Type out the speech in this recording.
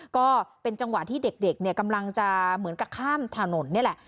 ก็เป็นจังหวะที่เด็กเนี่ยกำลังจะเหมือนกับข้ามถนนนี่แหละ